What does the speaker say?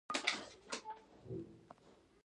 د پوښښ سلایډ له ایښودلو وروسته یې مطالعه کړئ.